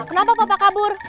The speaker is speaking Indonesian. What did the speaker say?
kenapa papa kabur